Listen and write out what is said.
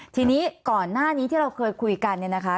ทีนี้ก่อนหน้านี้ที่เราเคยคุยกันเนี่ยนะคะ